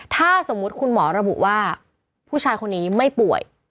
ถ้าสมมุติคุณหมอระบุว่าผู้ชายคนนี้ไม่ป่วย